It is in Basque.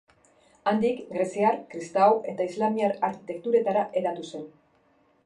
Handik greziar, kristau eta islamiar arkitekturetara hedatu zen.